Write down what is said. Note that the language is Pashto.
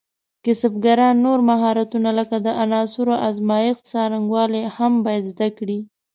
کسبګران نور مهارتونه لکه د عناصرو ازمېښت څرنګوالي هم باید زده کړي.